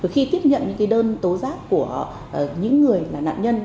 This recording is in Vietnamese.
khi tiếp nhận những đơn tố giác của những người là nạn nhân